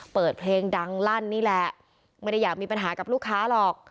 เปิดเพลงดังลั่นนี่แหละไม่ได้อยากมีปัญหากับลูกค้าหรอก